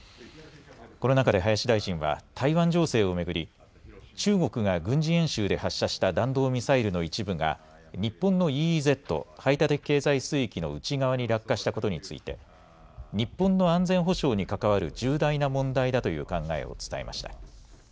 この中で林大臣は、台湾情勢を巡り、中国が軍事演習で発射した弾道ミサイルの一部が、日本のＥＥＺ・排他的経済水域の内側に落下したことについて、日本の安全保障に関わる重大な問題だという考えを伝えました。